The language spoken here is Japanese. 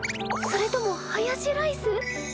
それともハヤシライス？